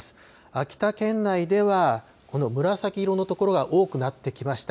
秋田県内ではこの紫色の所が多くなってきました。